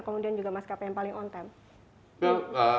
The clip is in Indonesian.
kemudian juga mas kpi yang paling on time